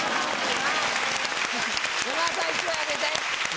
山田さん、１枚あげて。